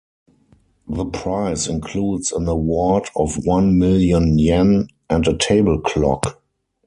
The prize includes an award of one million yen and a table clock.